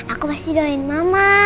aku pasti doain mama